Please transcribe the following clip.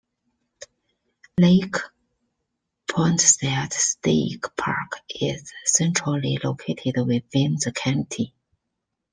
Lake Poinsett State Park is centrally located within the county.